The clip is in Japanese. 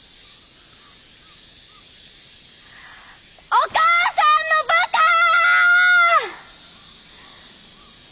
お母さんのバカー！！